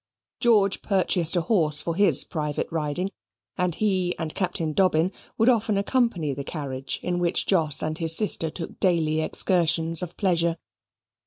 George purchased a horse for his private riding, and he and Captain Dobbin would often accompany the carriage in which Jos and his sister took daily excursions of pleasure.